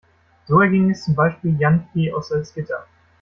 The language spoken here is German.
So erging es zum Beispiel Jan P. aus Salzgitter.